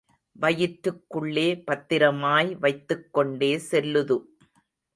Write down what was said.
வயிற்றுக் குள்ளே பத்திரமாய் வைத்துக் கொண்டே செல்லுது.